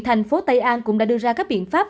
thành phố tây an cũng đã đưa ra các biện pháp